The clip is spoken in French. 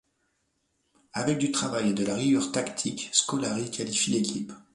Avec du travail et de la rigueur tactique, Scolari qualifie l'équipe.